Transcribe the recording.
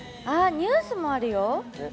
ニュースもあるよ。